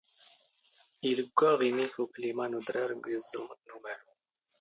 ⵉⵍⴳⴳⵯⴰⵖ ⵉⵎⵉⴽⴽ ⵓⴽⵍⵉⵎⴰ ⵏ ⵓⴷⵔⴰⵔ ⴳ ⵉⵣⵣⵍⵎⴹ ⵏ ⵓⵎⴰⵍⵓ.